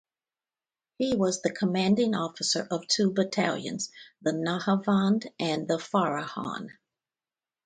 He was the commanding officer of two battalions, the Nahavand and the Farahan.